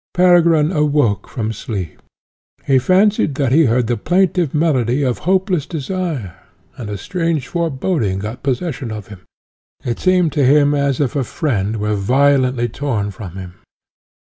Peregrine awoke from sleep. He fancied that he heard the plaintive melody of hopeless desire, and a strange foreboding got possession of him. It seemed to him as if a friend were violently torn from him.